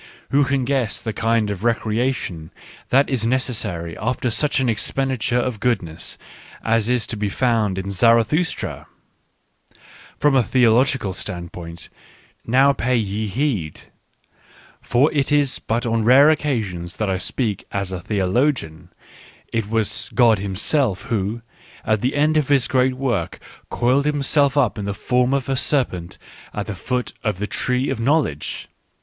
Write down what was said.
Who can guess the kind of recreation that is necessary after such an expenditure of goodness as is to be found in Zarathustra} From a theological standpoint — now pay ye heed ; for it is but on rare occasions that I speak as a theologian — it was God Himself who, at the end of His great work, coiled Himself up in the form of a serpent at the foot of the tree of knowledge.